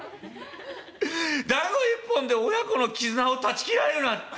だんご１本で親子の絆を断ち切られるなんて。